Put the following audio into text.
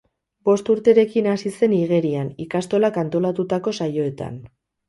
Bost urterekin hasi zen igerian, ikastolak antolatutako saioetan.